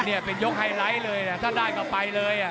นี่เป็นยกไฮไลท์เลยถ้าได้ก็ไปเลย